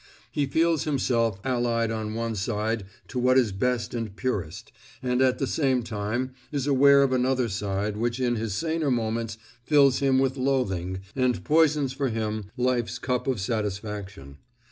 He feels himself allied on one side to what is best and purest, and at the same time is aware of another side which in his saner moments fills him with loathing, and poisons for him life's cup of satisfaction.